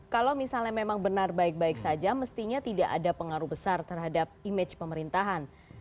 kalau misalnya memang benar baik baik saja mestinya tidak ada pengaruh besar terhadap image pemerintahan